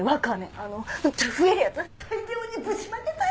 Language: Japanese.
あの増えるやつ大量にぶちまけたい！